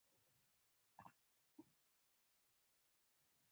که نه نو د فرد لپاره ټیټوالی پاتې کیږي.